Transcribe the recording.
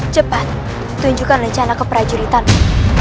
cepat tunjukkan rencana keperajuritanmu